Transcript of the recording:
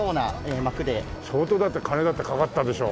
相当だって金だってかかったでしょ？